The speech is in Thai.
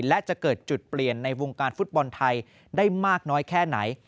และจะเกิดจุดเปลี่ยนในวงการฟุตบอลไทยได้มากน้อยแค่ไหน